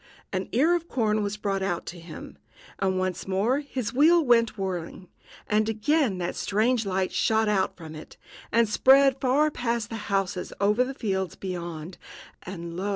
An ear of corn was brought to him, and once more his wheel went whirring, and again that strange light shot out from it, and spread far past the houses over the fields beyond; and, lo!